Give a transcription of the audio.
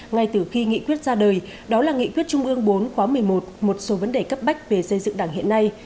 ngay từ khi nghị quyết ra đời đó là nghị quyết trung ương bốn khóa một mươi một một số vấn đề cấp bách về xây dựng đảng hiện nay